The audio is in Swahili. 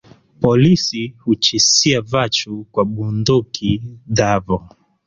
Polisi huchisia vachu kwa bundhuki dhavo